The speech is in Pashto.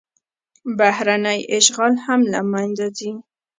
بهرنی اشغال هم له منځه ځي.